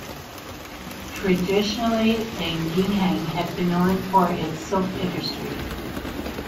Traditionally, An Giang has been known for its silk industry.